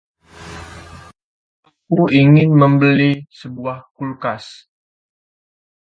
Aku ingin membeli sebuah kulkas.